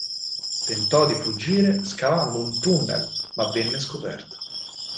Tentò di fuggire scavando un tunnel ma venne scoperto.